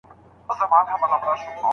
زما هينداره زما زړه او زما پير ورک دی